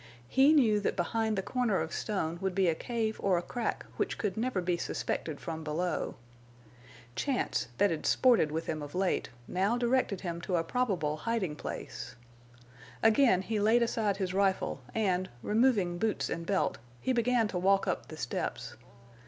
He knew that behind the corner of stone would be a cave or a crack which could never be suspected from below. Chance, that had sported with him of late, now directed him to a probable hiding place. Again he laid aside his rifle, and, removing boots and belt, he began to walk up the steps.